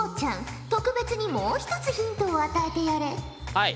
はい。